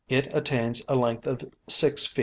It attains a length of 6 ft.